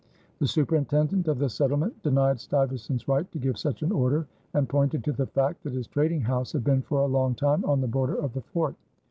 The superintendent of the settlement denied Stuyvesant's right to give such an order and pointed to the fact that his trading house had been for a long time on the border of the fort.